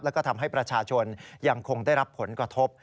แล้วก็ทำให้ประชาชนยังคงได้รับผลกระทบ